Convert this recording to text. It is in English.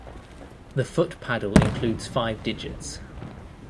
The foot paddle includes five digits.